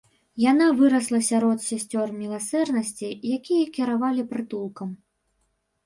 Яна вырасла сярод сясцёр міласэрнасці, якія кіравалі прытулкам.